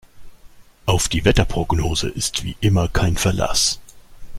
Auf die Wetterprognose ist wie immer kein Verlass.